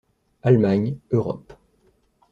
Allemagne, Europe.